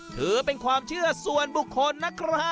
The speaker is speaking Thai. ถือเป็นความเชื่อส่วนบุคคลนะครับ